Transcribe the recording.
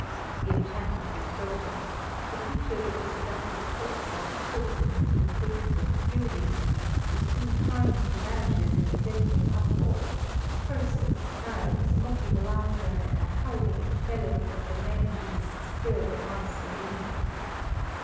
The enchantment is broken; the features of the seductive sylphs are distorted into the faces of Furies; the sweet harmony vanishes in a deafening uproar; curses, gibes, mocking laughter and the howling and bellowing of the men beasts fill the vast arena.